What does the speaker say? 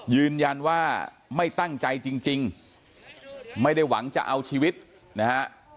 ยืนยันว่าไม่ตั้งใจจริงไม่ได้หวังจะเอาชีวิตนะฮะ